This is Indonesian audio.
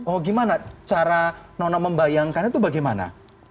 oh gimana cara nono membayangkan itu bagaimana